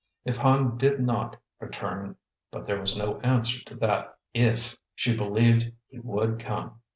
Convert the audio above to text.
If Hand did not return but there was no answer to that if. She believed he would come.